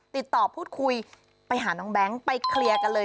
ติดต่อพูดคุยไปหาน้องแบงค์ไปเคลียร์กันเลย